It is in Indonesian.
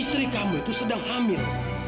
istri kamu itu sedang hamil